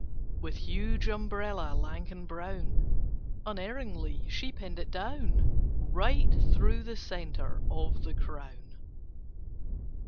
With huge umbrella, lank and brown, Unerringly she pinned it down, Right through the centre of the crown.